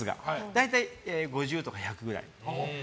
大体５０から１００くらい。